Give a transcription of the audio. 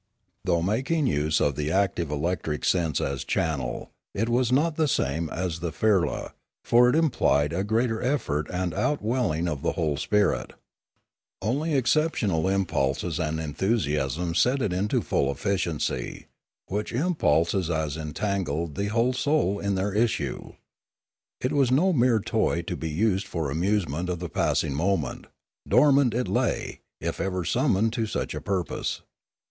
Though making use of the active electric sense as channel, it was not the same as the firla, for it implied a greater effort and outwelling of the whole spirit. Only exceptional impulses and enthusiasms set it into full efficiency, such impulses as entangled the whole Discoveries 3° * soul in their issue. It was no mere toy to be used for the amusement of the passing moment; dormant it lay, if ever summoned to such a purpose.